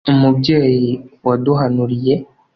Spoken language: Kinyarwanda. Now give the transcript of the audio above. Umubyeyi waduhanuriye